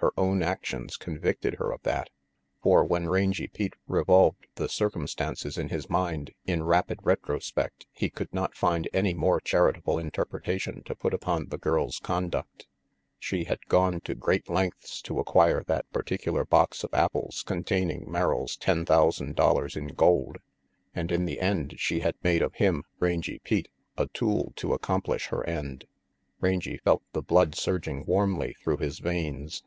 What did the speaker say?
Her own actions convicted her of that. For when Rangy Pete revolved the circumstances in his mind in rapid retrospect he could not find any more charitable interpretation to put upon the girl's conduct. She had gone to great lengths to acquire that particular box of apples containing Merrill's ten thousand dollars in gold, and in the end she had made of him, Rangy Pete, a tool to accomplish her end. Rangy felt the blood surging warmly through his veins.